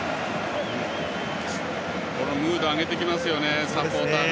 ムード上げてきますねサポーターが。